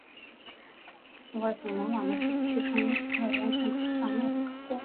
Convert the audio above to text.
其外形模仿的是汽车引擎的圆形汽缸内部。